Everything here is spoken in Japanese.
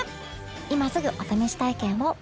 今すぐお試し体験を